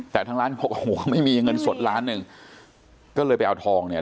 แต่ทางร้านเขาบอกโอ้โหไม่มีเงินสดล้านหนึ่งก็เลยไปเอาทองเนี่ย